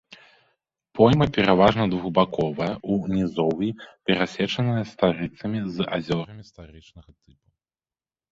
Пойма пераважна двухбаковая, у нізоўі перасечаная старыцамі з азёрамі старычнага тыпу.